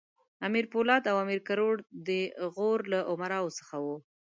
امیر پولاد او امیر کروړ د غور له امراوو څخه وو.